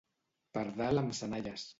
Pardal amb senalles.